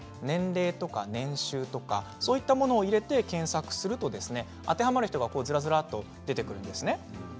年齢や年収とかそういったものを入れて検索すると当てはまる人がずらずらっと出てくるんですね。